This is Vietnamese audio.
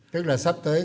tức là sắp tới